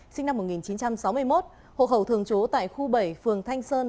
sinh năm một nghìn chín trăm sáu mươi một hộ khẩu thường trú tại khu bảy phường thanh sơn